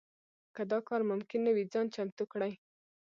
که دا کار ممکن نه وي ځان چمتو کړي.